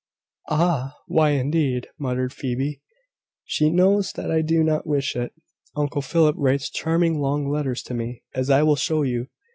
"Ah! why, indeed," muttered Phoebe. "She knows that I do not wish it. Uncle Philip writes charming long letters to me, as I will show you.